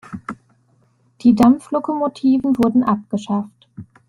Die Dampflokomotiven wurden abgeschafft.